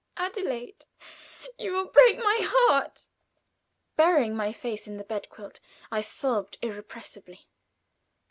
"Adelaide, you will break my heart!" Burying my face in the bed quilt, I sobbed irrepressibly.